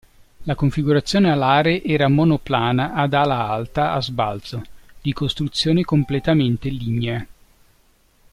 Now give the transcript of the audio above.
La configurazione alare era monoplana ad ala alta a sbalzo, di costruzione completamente lignea.